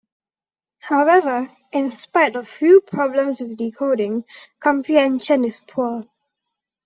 However, in spite of few problems with decoding, comprehension is poor.